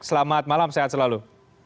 selamat malam sehat selalu